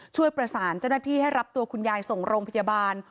ช่วยประสานเจ้าหน้าที่ให้รับตัวคุณยายส่งโรงพยาบาล